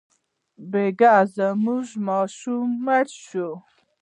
بېګا زموږ ماشوم مړ شو.